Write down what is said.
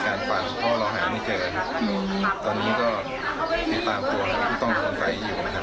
ซึ่งตัวผู้ต้องสงสัยนี่เรามีบอกแสว่าเป็นใครยังไง